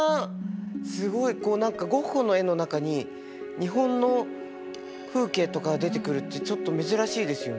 すごいこう何かゴッホの絵の中に日本の風景とかが出てくるってちょっと珍しいですよね。